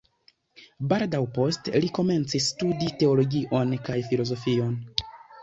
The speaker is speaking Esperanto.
Baldaŭ poste li komencis studi teologion kaj filozofion.